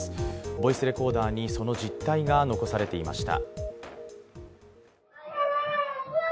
ボイスレコーダーにその実態が残されていました。